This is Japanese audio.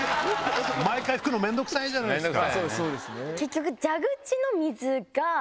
毎回拭くの面倒くさいじゃないですか。